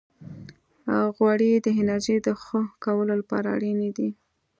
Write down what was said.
غوړې د انرژۍ د ښه کولو لپاره اړینې دي.